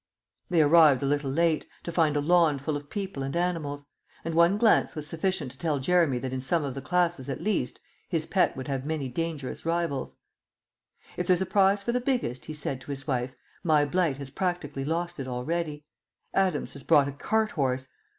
They arrived a little late, to find a lawn full of people and animals; and one glance was sufficient to tell Jeremy that in some of the classes at least his pet would have many dangerous rivals. "If there's a prize for the biggest," he said to his wife, "my blight has practically lost it already. Adams has brought a cart horse.